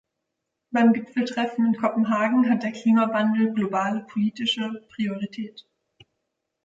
Beim Gipfeltreffen in Kopenhagen hat der Klimawandel globale politische Priorität.